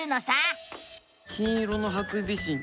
金色のハクビシン